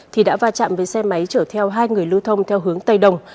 thì đã va chạm với xe máy chở theo hai người lưu thông theo hướng tây đồng